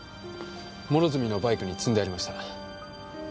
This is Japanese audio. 諸角のバイクに積んでありました。